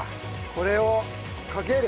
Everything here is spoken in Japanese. これをかける。